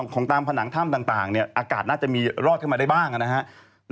ของตามผนังถ้ำต่างเนี่ยอากาศน่าจะมีรอดเข้ามาได้บ้างนะครับ